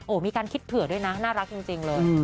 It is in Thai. มีการคิดเผื่อด้วยนะน่ารักจริงเลย